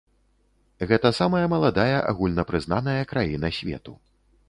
Гэта самая маладая агульнапрызнаная краіна свету.